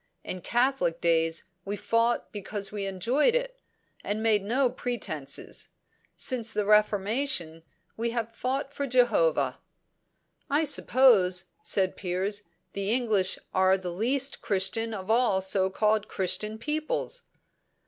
In Catholic days we fought because we enjoyed it, and made no pretences; since the Reformation we have fought for Jehovah." "I suppose," said Piers, "the English are the least Christian of all so called Christian peoples."